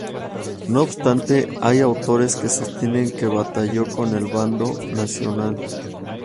No obstante, hay autores que sostienen que batalló con el bando nacional.